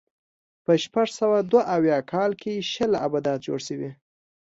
په شپږ سوه دوه اویا کال کې شل ابدات جوړ شوي.